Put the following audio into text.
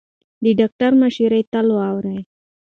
د ډاکټر مشوره تل واورئ.